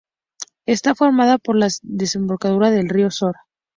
Está formada por la desembocadura del río Sor.